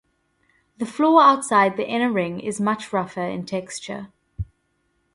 The floor outside the inner ring is much rougher in texture.